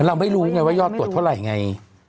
เราไม่รู้ไงว่ายอดตรวจเท่าไหร่ไง